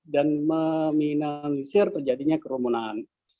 dan meminimalisir terjadinya kerumunan